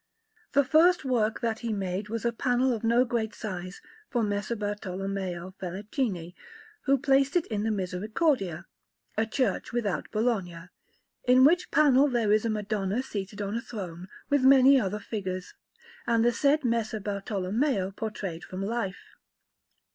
The first work that he made was a panel of no great size for Messer Bartolommeo Felicini, who placed it in the Misericordia, a church without Bologna; in which panel there is a Madonna seated on a throne, with many other figures, and the said Messer Bartolommeo portrayed from life.